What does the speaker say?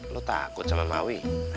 lo takut sama mawi